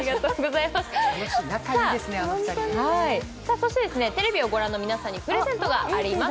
そしてテレビを御覧の皆さんにプレゼントがあります。